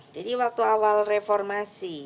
jadi waktu awal reformasi